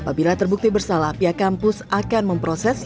apabila terbukti bersalah pihak kampus akan memproses